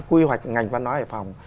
quy hoạch ngành văn hóa hải phòng